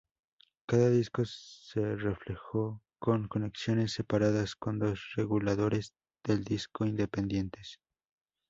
Cada disco se reflejó, con conexiones separadas con dos reguladores del disco independientes.